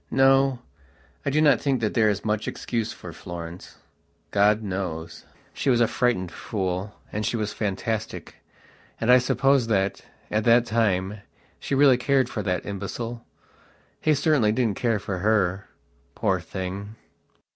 No, I do not think that there is much excuse for Florence. God knows. She was a frightened fool, and she was fantastic, and I suppose that, at that time, she really cared for that imbecile. He certainly didn't care for her. Poor thing....